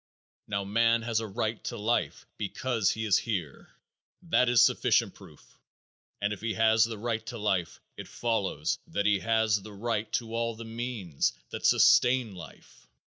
Now man has a right to life because he is here. That is sufficient proof, and if he has the right to life, it follows that he has the right to all the means that sustain life.